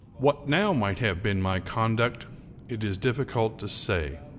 What now might have been my conduct it is difficult to say.